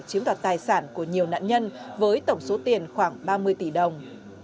chiếm đoạt tài sản của nhiều nạn nhân với tổng số tiền khoảng ba mươi tỷ đồng